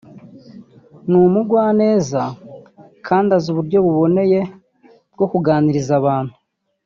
ni umugwaneza kandi azi uburyo buboneye bwo kuganiriza abantu